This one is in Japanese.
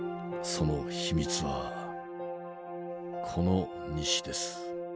その秘密はこの日誌です。